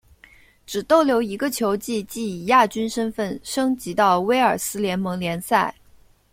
只逗留一个球季即以亚军身份升级到威尔斯联盟联赛。